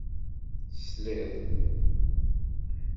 Tesliḍ.